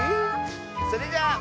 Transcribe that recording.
それじゃあ。